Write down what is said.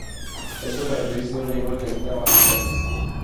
Estas son características de un animal que habita bajo tierra.